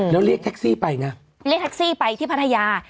แล้วเรียกแท็กซี่ไปนะเรียกแท็กซี่ไปที่พัทยา